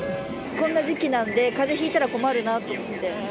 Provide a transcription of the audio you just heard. こんな時期なんで、かぜひいたら困るなと思って。